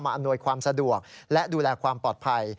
อำนวยความสะดวกและดูแลความปลอดภัย